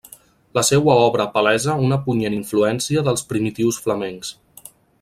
La seua obra palesa una punyent influència dels primitius flamencs.